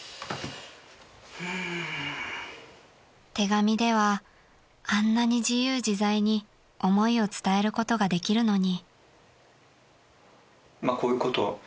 ［手紙ではあんなに自由自在に思いを伝えることができるのに］